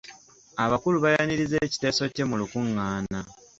Abakulu bayaniriza ekiteso kye mu lukungaana.